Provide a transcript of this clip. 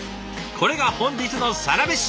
これが本日のサラメシ。